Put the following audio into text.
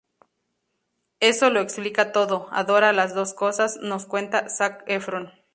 Eso lo explica todo, adora las dos cosas, nos cuenta Zac Efron.